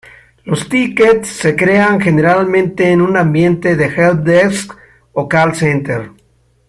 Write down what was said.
Los tickets se crean generalmente en un ambiente de help desk o call center.